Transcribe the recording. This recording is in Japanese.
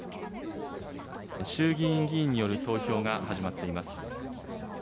衆議院議員による投票が始まっています。